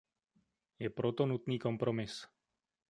Je proto nutný kompromis.